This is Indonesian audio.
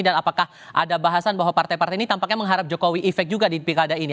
apakah ada bahasan bahwa partai partai ini tampaknya mengharap jokowi efek juga di pilkada ini